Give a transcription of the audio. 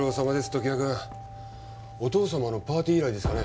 常盤君お父様のパーティー以来ですかね